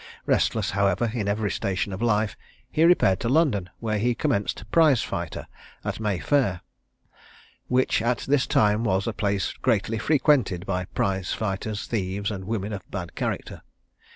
Restless, however, in every station of life, he repaired to London, where he commenced prize fighter at May fair; which, at this time, was a place greatly frequented by prize fighters, thieves, and women of bad character.